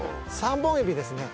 ３本指ですね。